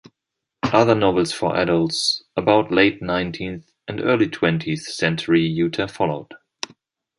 Other novels for adults about late nineteenth and early twentieth century Utah followed.